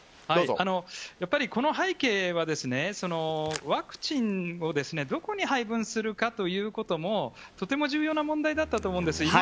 この背景は、ワクチンをどこに配分するかということもとても重要な問題だったと思うんです。